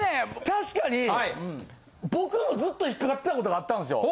確かに僕もずっと引っ掛かってたことがあったんですよ。